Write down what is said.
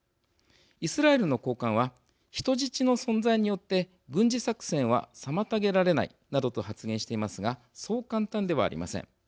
イスラエルの高官は人質の存在によって軍事作戦は妨げられないなどと発言していますがそう簡単ではありません。